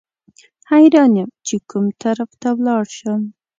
حیران یم چې کوم طرف ته ولاړ شم.